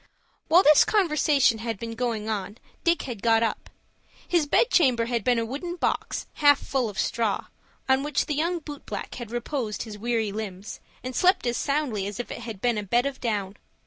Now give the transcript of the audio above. While this conversation had been going on, Dick had got up. His bedchamber had been a wooden box half full of straw, on which the young boot black had reposed his weary limbs, and slept as soundly as if it had been a bed of down.